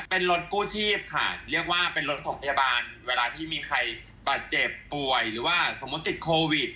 เป็นรถกู้ชีพค่ะเรียกว่าเป็นรถของพยาบาลเวลาที่มีใครบาดเจ็บป่วยหรือว่าสมมุติติดโควิด